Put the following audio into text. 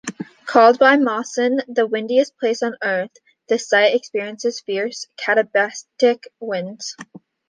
Called by Mawson "the windiest place on Earth", the site experiences fierce katabatic winds.